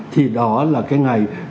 thì đó là cái ngày